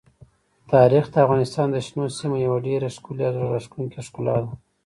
تاریخ د افغانستان د شنو سیمو یوه ډېره ښکلې او زړه راښکونکې ښکلا ده.